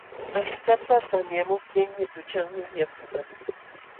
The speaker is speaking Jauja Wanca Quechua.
Achkata tamyamuptin mituchanmi ñamkunata.